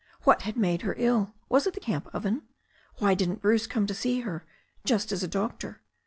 What made her ill — ^was it the camp oven? Why didn't Bruce come to see her — ^just as a doctor?